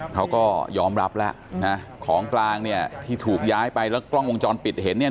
เขาก็ยอมรับแล้วนะของกลางเนี่ยที่ถูกย้ายไปแล้วกล้องวงจรปิดเห็นเนี่ย